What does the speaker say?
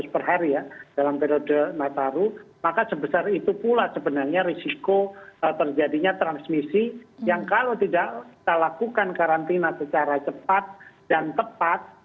per hari ya dalam periode nataru maka sebesar itu pula sebenarnya risiko terjadinya transmisi yang kalau tidak kita lakukan karantina secara cepat dan tepat